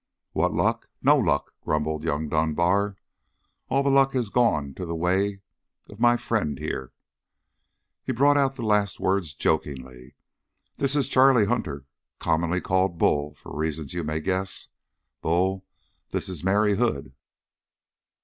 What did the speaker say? "What luck? No luck!" grumbled young Dunbar. "All the luck has gone the way of my ... friend ... here." He brought out the last words jokingly. "This is Charlie Hunter, commonly called Bull for reasons you may guess. Bull, this is Mary Hood."